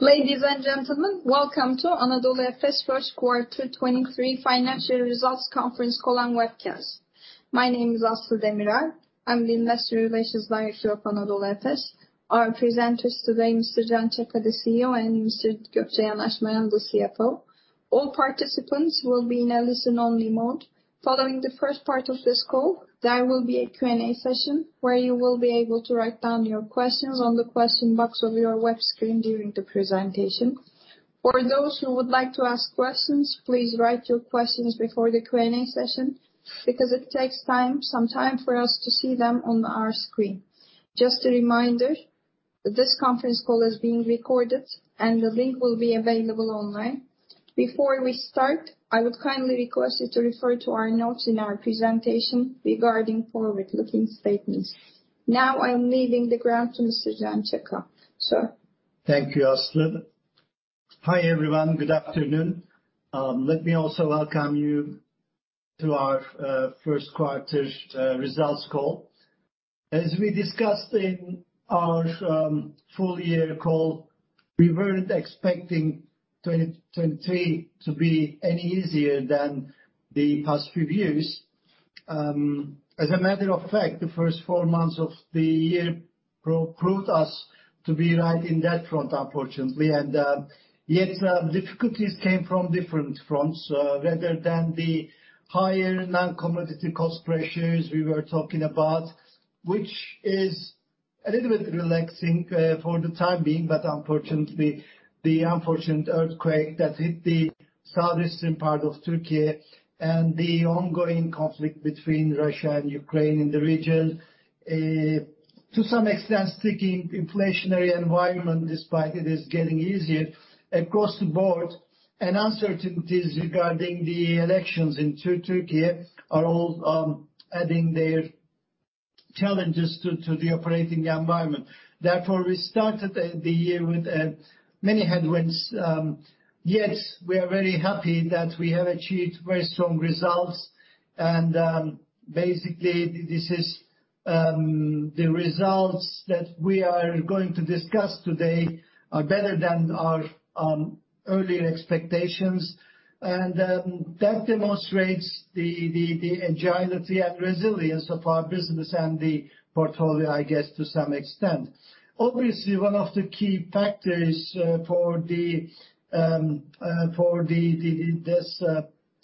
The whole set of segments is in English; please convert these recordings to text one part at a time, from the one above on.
Ladies and gentlemen, welcome to Anadolu Efes first quarter2023 financial results conference call and webcast. My name is Aslı Demirel. I'm the Investor Relations Director of Anadolu Efes. Our presenters today Mr. Can Çaka, the CEO, and Mr. Gökçe Yanaşmayan, the CFO. All participants will be in a listen-only mode. Following the first part of this call, there will be a Q&A session where you will be able to write down your questions on the question box of your web screen during the presentation. For those who would like to ask questions, please write your questions before the Q&A session because it takes some time for us to see them on our screen. Just a reminder that this conference call is being recorded and the link will be available online. Before we start, I would kindly request you to refer to our notes in our presentation regarding forward-looking statements. I am leaving the ground to Mr. Can Çaka. Sir. Thank you, Aslı. Hi everyone. Good afternoon. Let me also welcome you to our first quarter results call. As we discussed in our full year call, we weren't expecting 2020 to be any easier than the past few years. As a matter of fact, the first four months of the year proved us to be right in that front, unfortunately. Yet difficulties came from different fronts rather than the higher non-commodity cost pressures we were talking about, which is a little bit relaxing for the time being. Unfortunately, the unfortunate earthquake that hit the southeastern part of Turkey and the ongoing conflict between Russia and Ukraine in the region, to some extent, sticking inflationary environment despite it is getting easier across the board, and uncertainties regarding the elections in Turkey are all adding their challenges to the operating environment. Therefore, we started the year with many headwinds. Yet we are very happy that we have achieved very strong results. Basically this is the results that we are going to discuss today are better than our earlier expectations, and that demonstrates the agility and resilience of our business and the portfolio, I guess to some extent. Obviously, one of the key factors for the for the this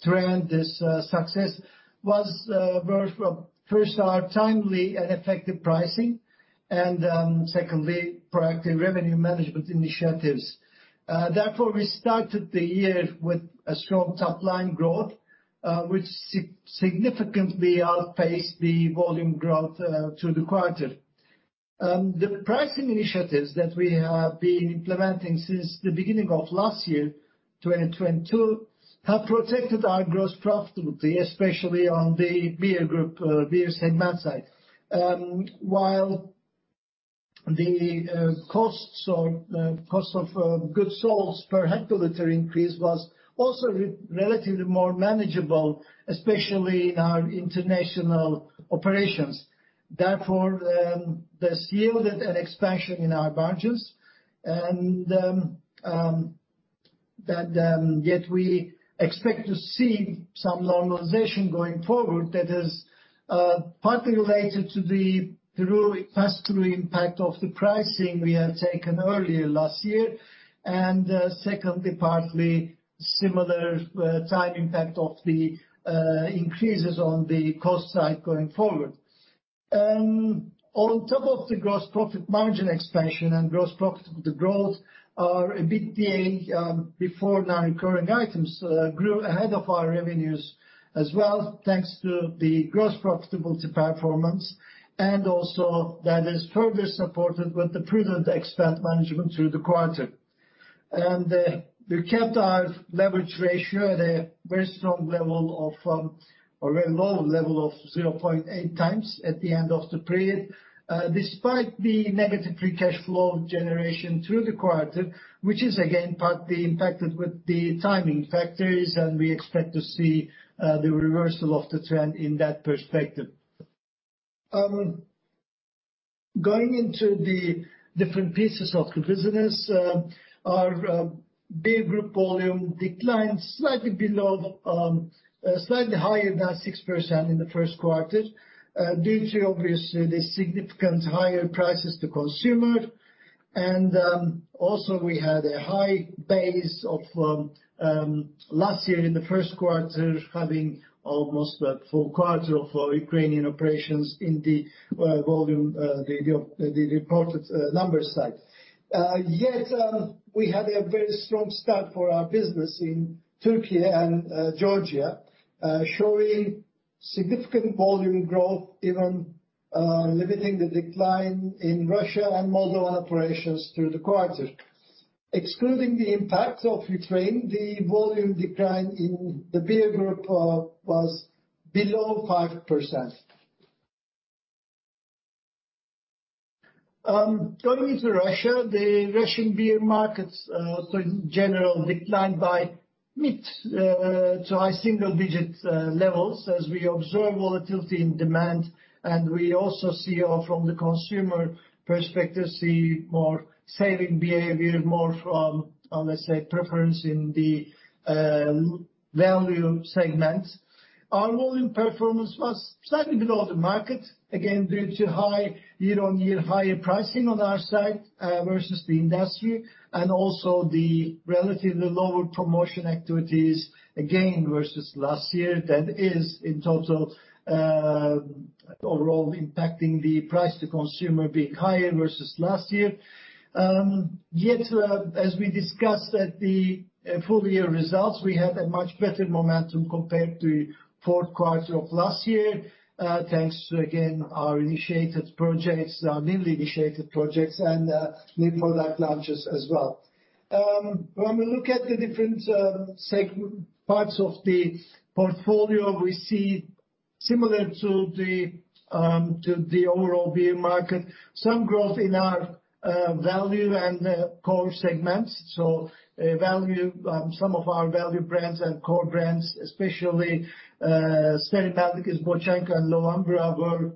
trend, this success was, well, first our timely and effective pricing. Secondly, proactive revenue management initiatives. Therefore, we started the year with a strong top-line growth, which significantly outpaced the volume growth through the quarter. The pricing initiatives that we have been implementing since the beginning of last year, 2022, have protected our gross profitability, especially on the Beer Group, beers and mats side. While the costs or cost of goods sold per hectoliter increase was also relatively more manageable, especially in our international operations. Therefore, this yielded an expansion in our margins and that yet we expect to see some normalization going forward that is partly related to the through, pass-through impact of the pricing we had taken earlier last year. Secondly, partly similar time impact of the increases on the cost side going forward. On top of the gross profit margin expansion and gross profitability growth, our EBITA before non-recurring items grew ahead of our revenues as well, thanks to the gross profitability performance, and also that is further supported with the prudent expense management through the quarter. We kept our leverage ratio at a very strong level of, or very low level of 0.8 times at the end of the period, despite the negative free cash flow generation through the quarter, which is again partly impacted with the timing factors, and we expect to see the reversal of the trend in that perspective. Going into the different pieces of the business, our Beer Group volume declined slightly below, slightly higher than 6% in the first quarter, due to obviously the significant higher prices to consumer. Also we had a high base of last year in the first quarter having almost a full quarter of our Ukrainian operations in the volume, the reported numbers side. Yet, we had a very strong start for our business in Turkey and Georgia, showing significant volume growth, even limiting the decline in Russia and Moldova operations through the quarter. Excluding the impact of Ukraine, the volume decline in the Beer Group was below 5%. Going to Russia, the Russian beer markets, so in general declined by mid to high single digit levels as we observe volatility in demand, and we also see from the consumer perspective, see more saving behavior, more from, let's say, preference in the value segment. Our volume performance was slightly below the market, again, due to high year-on-year higher pricing on our side versus the industry, and also the relatively lower promotion activities, again, versus last year. That is in total, overall impacting the price to consumer being higher versus last year. Yet, as we discussed at the full year results, we had a much better momentum compared to fourth quarter of last year, thanks to, again, our initiated projects, our newly initiated projects and new product launches as well. When we look at the different parts of the portfolio, we see similar to the overall beer market, some growth in our value and core segments. So value, some of our value brands and core brands, especially Stella Artois, Boçka, and November were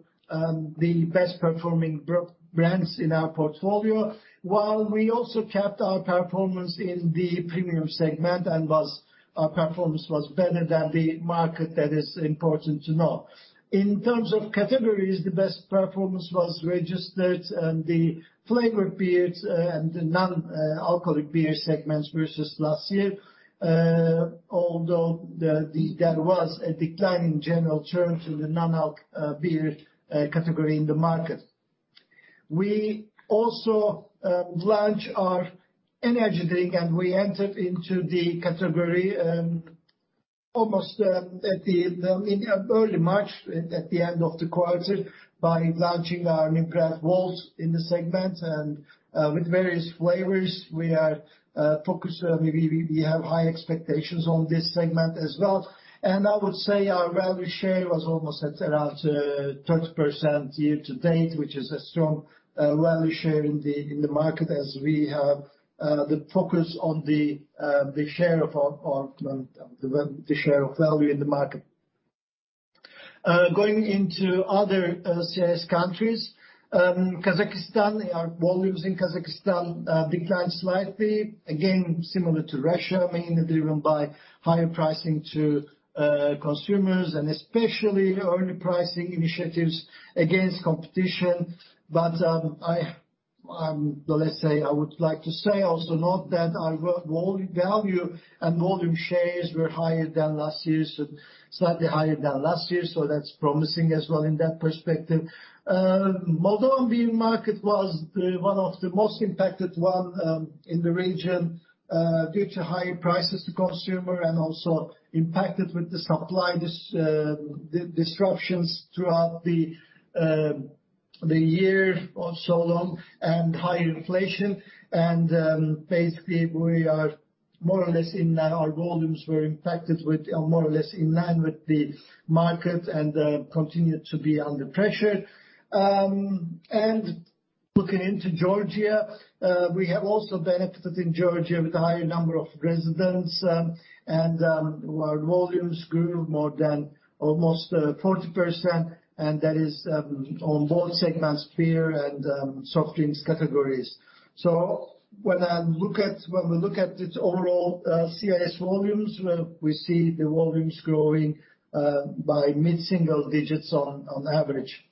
the best performing brands in our portfolio, while we also kept our performance in the premium segment and was, our performance was better than the market. That is important to know. In terms of categories, the best performance was registered in the flavored beers and the non-alcoholic beer segments versus last year, although there was a decline in general terms in the non-alc beer category in the market. We also launch our energy drink, and we entered into the category, almost, in early March at the end of the quarter by launching our new brand, Volts, in the segment, and with various flavors. We are focused. We have high expectations on this segment as well. I would say our value share was almost at around 30% year to date, which is a strong value share in the market as we have the focus on the share of our, the share of value in the market. Going into other CIS countries, Kazakhstan, our volumes in Kazakhstan declined slightly. Again, similar to Russia, mainly driven by higher pricing to consumers and especially early pricing initiatives against competition. I, let's say, would like to say also note that our value and volume shares were higher than last year's, slightly higher than last year, so that's promising as well in that perspective. Moldovan beer market was the one of the most impacted one in the region due to high prices to consumer and also impacted with the supply disruptions throughout the year or so long and high inflation. Basically, we are more or less in line. Our volumes were impacted with or more or less in line with the market and continued to be under pressure. Looking into Georgia, we have also benefited in Georgia with a higher number of residents, and our volumes grew more than almost 40%, and that is on both segments, beer and soft drinks categories. When we look at its overall CIS volumes, we see the volumes growing by mid-single digits on average.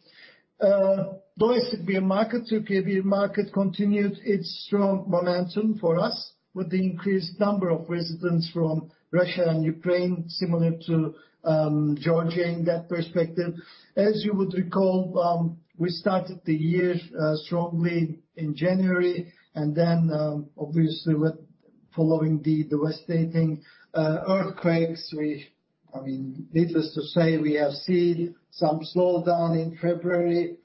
Domestic beer market, Turkey beer market continued its strong momentum for us with the increased number of residents from Russia and Ukraine, similar to Georgia in that perspective. As you would recall, we started the year strongly in January and then obviously with following the devastating earthquakes. I mean, needless to say, we have seen some slowdown in February.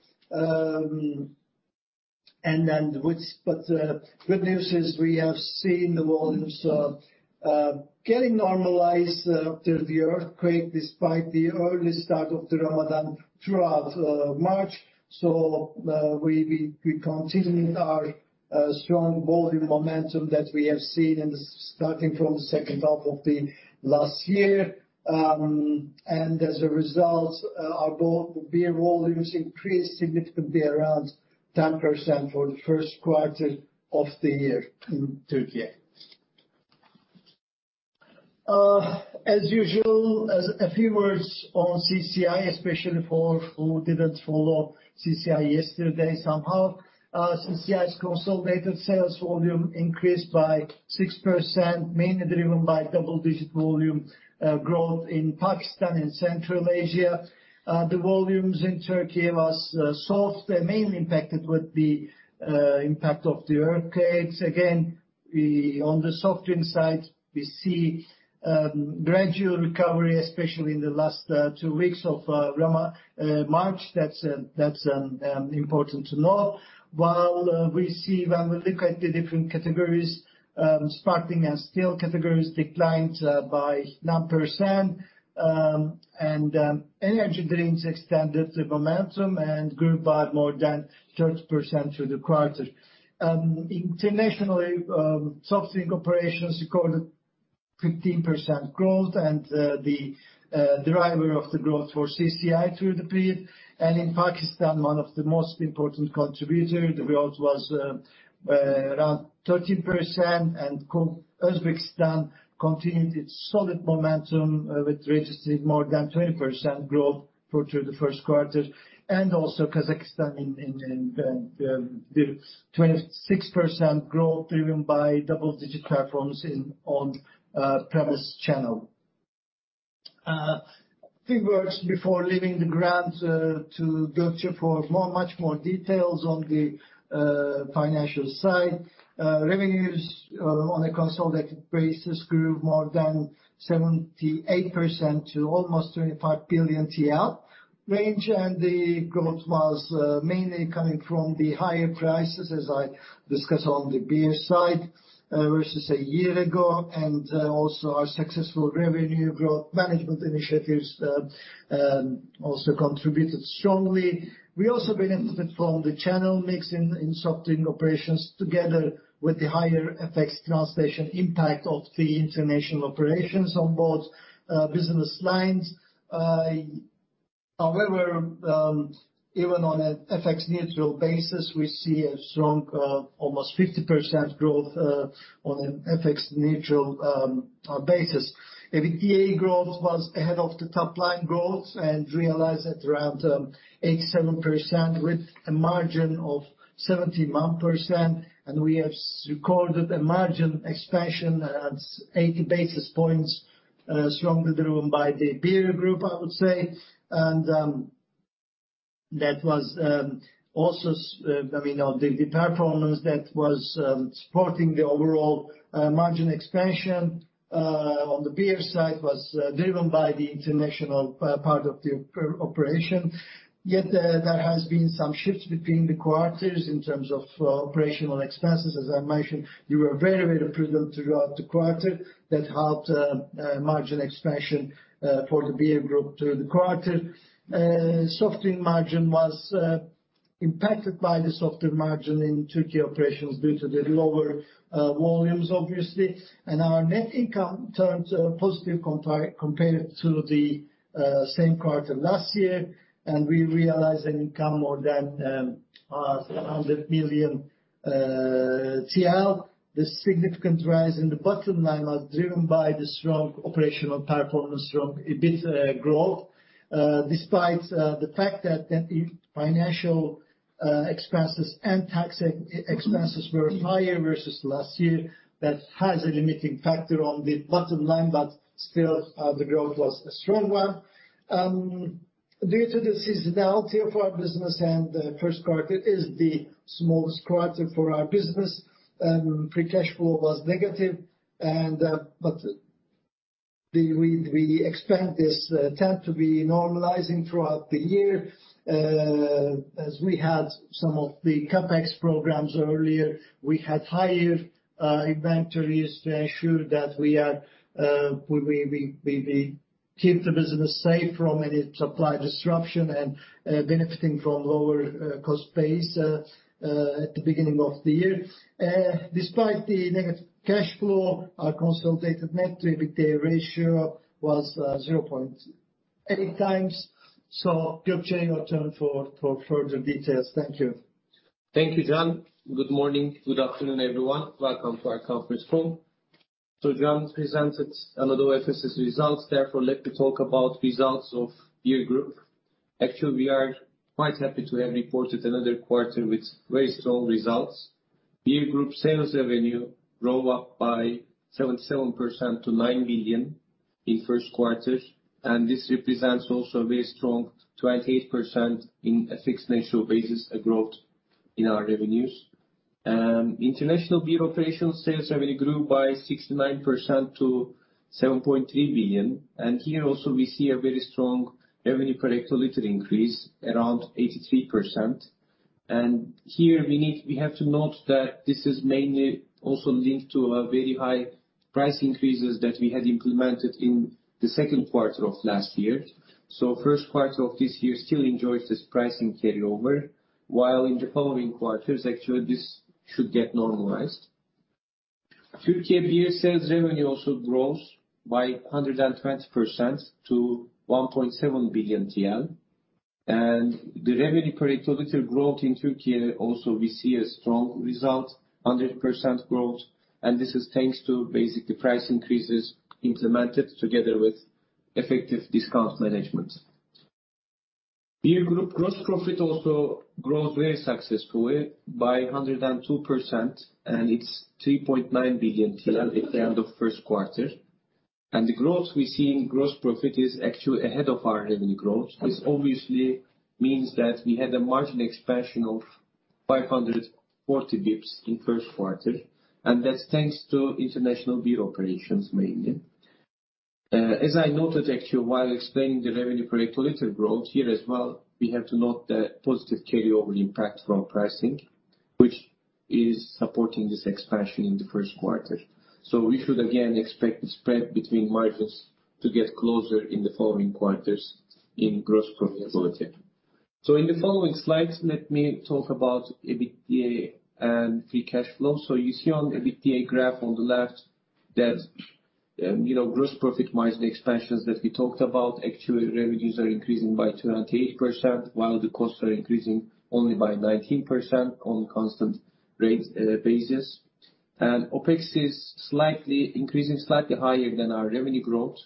Good news is we have seen the volumes getting normalized after the earthquake, despite the early start of the Ramadan throughout March. We continuing our strong volume momentum that we have seen starting from the second half of the last year. As a result, our beer volumes increased significantly around 10% for the first quarter of the year in Turkey. As usual, a few words on CCI, especially for who didn't follow CCI yesterday somehow. CCI's consolidated sales volume increased by 6%, mainly driven by double-digit volume growth in Pakistan and Central Asia. The volumes in Turkey was soft, mainly impacted with the impact of the earthquakes. On the soft drink side, we see gradual recovery, especially in the last two weeks of March. That's important to know. We see when we look at the different categories, sparkling and still categories declined by 9%, and energy drinks extended the momentum and grew by more than 30% through the quarter. Internationally, soft drink operations recorded 15% growth and the driver of the growth for CCI through the period. In Pakistan, one of the most important contributor, the growth was around 13%. Uzbekistan continued its solid momentum with registered more than 20% growth for through the first quarter. Also Kazakhstan in 26% growth driven by double-digit performance in on-premise channel. Three words before leaving the ground to Gökçe for more, much more details on the financial side. Revenues on a consolidated basis grew more than 78% to almost 25 billion TL range. The growth was mainly coming from the higher prices as I discussed on the beer side versus a year ago. Also our successful revenue growth management initiatives also contributed strongly. We also benefited from the channel mix in soft drink operations together with the higher FX translation impact of the international operations on both business lines. However, even on a FX neutral basis, we see a strong, almost 50% growth on an FX neutral basis. EBITA growth was ahead of the top line growth and realized at around 87% with a margin of 71%. We have recorded a margin expansion at 80 basis points, strongly driven by the Beer Group, I would say. That was also I mean, the performance that was supporting the overall margin expansion on the beer side was driven by the international part of the operation. Yet, there has been some shifts between the quarters in terms of Operating expenses. As I mentioned, they were very prudent throughout the quarter. That helped margin expansion for the Beer Group through the quarter. Soft drink margin was impacted by the softer margin in Turkey operations due to the lower volumes, obviously. Our net income turned positive compared to the same quarter last year. We realized an income more than 700 million TL. The significant rise in the bottom line are driven by the strong operational performance from EBIT growth. Despite the fact that financial expenses and tax expenses were higher versus last year, that has a limiting factor on the bottom line, but still, the growth was a strong one. Due to the seasonality of our business and the first quarter is the smallest quarter for our business, free cash flow was negative. We expect this trend to be normalizing throughout the year. As we had some of the CapEx programs earlier, we had higher inventories to ensure that we keep the business safe from any supply disruption and benefiting from lower cost base at the beginning of the year. Despite the negative cash flow, our consolidated net-to-EBITDA ratio was 0.8 times. Gökçe, your turn for further details. Thank you. Thank you, Can. Good morning. Good afternoon, everyone. Welcome to our conference call. Can presented Anadolu Efes' results. Therefore, let me talk about results of Beer Group. Actually, we are quite happy to have reported another quarter with very strong results. Beer Group sales revenue grow up by 77% to 9 billion in first quarter, and this represents also a very strong 28% in a FX neutral basis, a growth in our revenues. International beer operations sales revenue grew by 69% to 7.3 billion. Here also we see a very strong revenue per hectoliter increase around 83%. Here we have to note that this is mainly also linked to a very high price increases that we had implemented in the second quarter of last year. First quarter of this year still enjoys this pricing carryover, while in the following quarters actually this should get normalized. Turkey beer sales revenue also grows by 120% to 1.7 billion TL. The revenue per hectoliter growth in Turkey also we see a strong result 100% growth. This is thanks to basically price increases implemented together with effective discount management. Beer Group gross profit also grows very successfully by 102%, and it's 3.9 billion TL at the end of first quarter. The growth we see in gross profit is actually ahead of our revenue growth. This obviously means that we had a margin expansion of 540 bps in first quarter, and that's thanks to international Beer Group operations mainly. As I noted actually while explaining the revenue per hectoliter growth, here as well, we have to note that positive carryover impact from pricing, which is supporting this expansion in the first quarter. We should again expect the spread between margins to get closer in the following quarters in gross profit ability. In the following slides, let me talk about EBITA and free cash flow. You see on EBITA graph on the left that, you know, gross profit margin expansions that we talked about, actually revenues are increasing by 28% while the costs are increasing only by 19% on constant rate basis. OpEx is slightly increasing slightly higher than our revenue growth.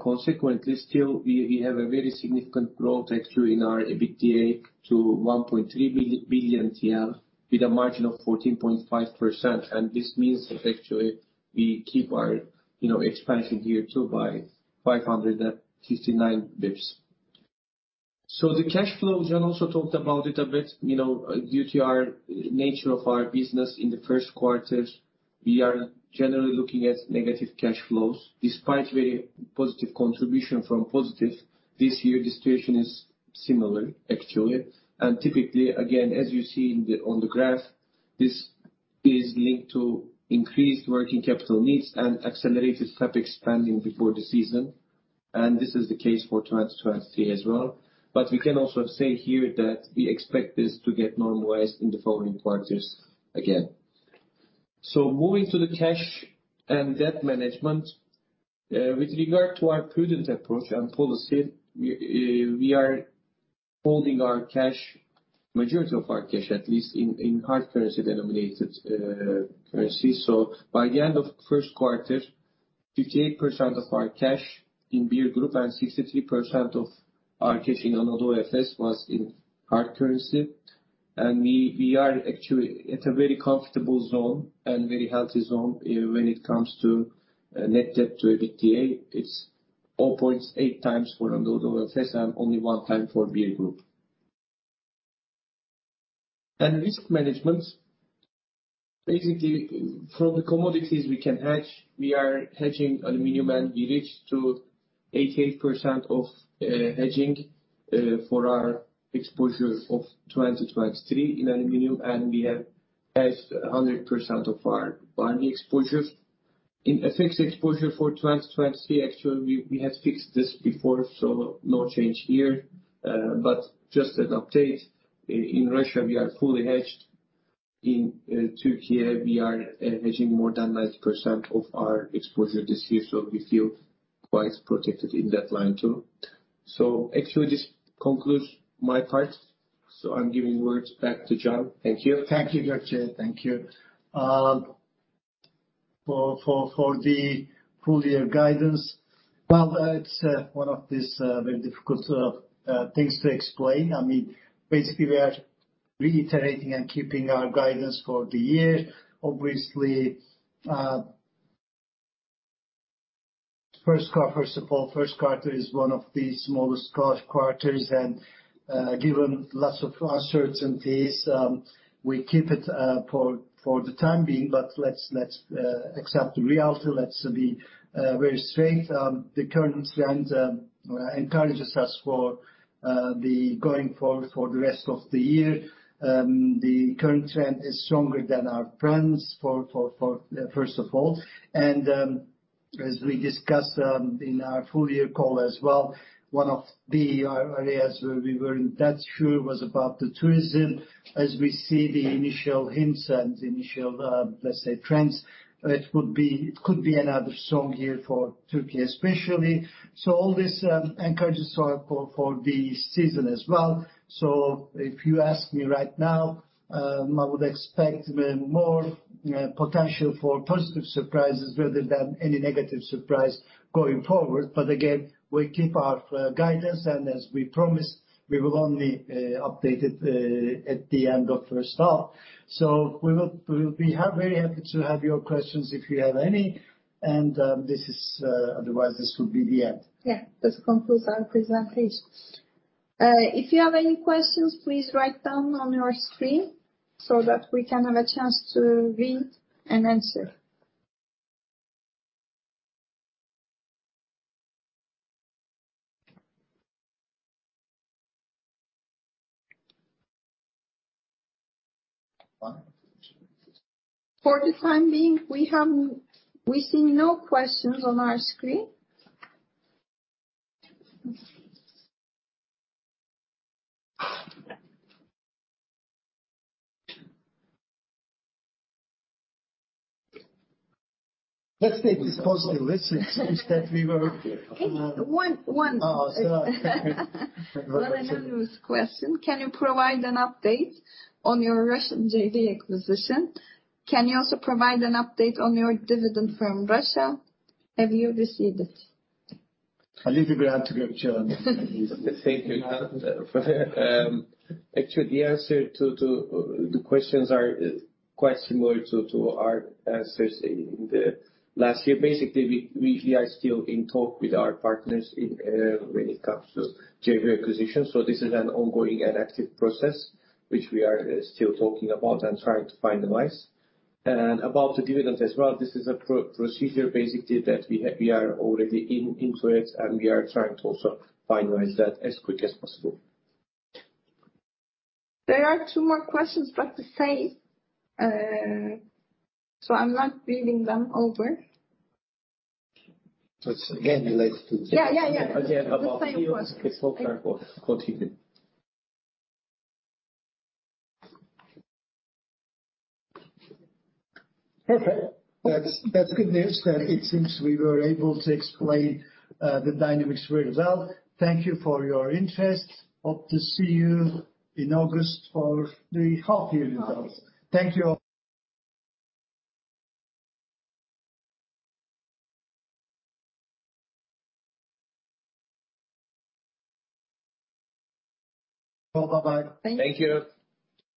Consequently still, we have a very significant growth actually in our EBITA to 1.3 billion TL with a margin of 14.5%. This means that actually we keep our, you know, expansion year too by 559 bps. The cash flow, Can also talked about it a bit. You know, due to our nature of our business in the first quarters, we are generally looking at negative cash flows despite very positive contribution from positive. This year the situation is similar actually. Typically, again, as you see on the graph this is linked to increased working capital needs and accelerated CapEx spending before the season, and this is the case for 2023 as well. We can also say here that we expect this to get normalized in the following quarters again. Moving to the cash and debt management. With regard to our prudent approach and policy, we are holding our cash, majority of our cash at least in hard currency denominated currencies. By the end of first quarter, 58% of our cash in Beer Group and 63% of our cash in Anadolu Efes was in hard currency. We are actually at a very comfortable zone and very healthy zone when it comes to net debt to EBITA. It's 0.8 times for Anadolu Efes and only one time for Beer Group. Risk management. Basically from the commodities we can hedge, we are hedging aluminum and we reached to 88% of hedging for our exposure of 2023 in aluminum, and we have hedged 100% of our barley exposure. In FX exposure for 2023, actually we have fixed this before. No change here. Just an update, in Russia we are fully hedged. In Turkey we are hedging more than 90% of our exposure this year. We feel quite protected in that line too. Actually this concludes my part. I'm giving words back to Can. Thank you. Thank you, Gökçe. Thank you. For the full year guidance, well it's one of these very difficult things to explain. I mean, basically we are reiterating and keeping our guidance for the year. Obviously, first of all, first quarter is one of the smallest quarters and, given lots of uncertainties, we keep it for the time being. But let's accept the reality. Let's be very straight. The current trend encourages us for the going forward for the rest of the year. The current trend is stronger than our plans for first of all. As we discussed in our full year call as well, one of the areas where we weren't that sure was about the tourism. As we see the initial hints and initial, let's say trends, it could be another strong year for Turkey especially. All this encourages for the season as well. If you ask me right now, I would expect more potential for positive surprises rather than any negative surprise going forward. Again, we keep our guidance and as we promised, we will only update it at the end of first half. We'll be very happy to have your questions if you have any. This is, otherwise this will be the end. Yeah. This concludes our presentation. If you have any questions, please write down on your screen so that we can have a chance to read and answer. For the time being, we see no questions on our screen. Let's take this positive. It seems that. One, one. Oh, sorry. Well, I know this question. Can you provide an update on your Russian JV acquisition? Can you also provide an update on your dividend from Russia? Have you received it? I leave you to answer, Gökçe. Thank you, Can. Actually the answer to the questions are quite similar to our answers in the last year. Basically we are still in talk with our partners when it comes to JV acquisition. This is an ongoing and active process which we are still talking about and trying to finalize. About the dividends as well, this is a pro-procedure basically that we are already in, into it, and we are trying to also finalize that as quick as possible. There are two more questions but the same, so I'm not reading them over. It's again related to- Yeah, yeah. Again about deals. The same question. Okay. Perfect. That's good news. It seems we were able to explain the dynamics very well. Thank you for your interest. Hope to see you in August for the half year results. Thank you all. Bye-bye. Thank you. Thank you.